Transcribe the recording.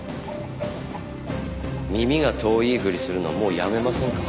耳が遠いふりするのもうやめませんか？